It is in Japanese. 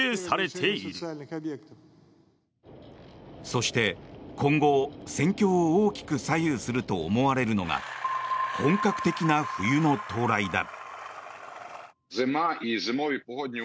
そして今後、戦況を大きく左右すると思われるのが本格的な冬の到来だ。